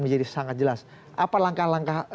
menjadi sangat jelas apa langkah langkah